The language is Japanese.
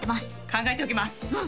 考えておきます